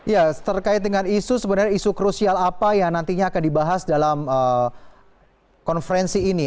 ya terkait dengan isu sebenarnya isu krusial apa yang nantinya akan dibahas dalam konferensi ini